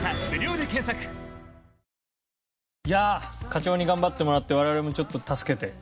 課長に頑張ってもらって我々もちょっと助けて。